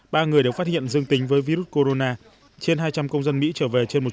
ba người đều phát hiện dương tính với virus corona trên hai trăm linh công dân mỹ trở về trên một